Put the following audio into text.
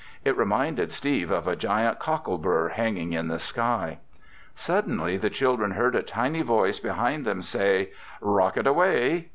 It reminded Steve of a giant cockle burr hanging in the sky. Suddenly the children heard a tiny voice behind them say, "Rocket away!"